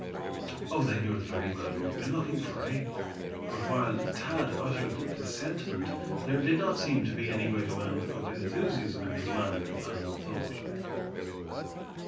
"Oh! then you're the very man we've been looking for, eh?" but while Thad uttered this sentiment, there did not seem to be any great amount of enthusiasm in his manner, Allan thought.